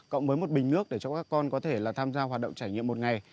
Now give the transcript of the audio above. cộng với một bình nước để cho các con có thể là tham gia hoạt động trải nghiệm một ngày